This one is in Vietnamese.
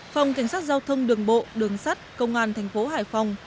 phòng cảnh sát giao thông đường bộ đường sắt công an tp hải phòng